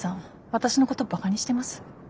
私のことバカにしてます？